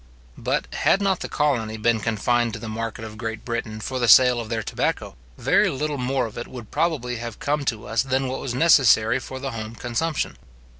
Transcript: But, had not the colonies been confined to the market of Great Britain for the sale of their tobacco, very little more of it would probably have come to us than what was necessary for the home consumption.